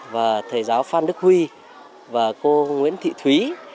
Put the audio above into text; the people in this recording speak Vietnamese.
và thầy giáo phan đức huy và cô nguyễn thị thúy